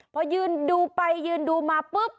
พอยืนดูไปยืนดูมาปุ๊บ